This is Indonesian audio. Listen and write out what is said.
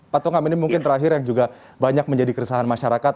pak tongam ini mungkin terakhir yang juga banyak menjadi keresahan masyarakat